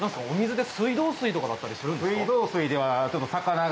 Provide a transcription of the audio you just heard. お水で水道水とかだったりするんですか？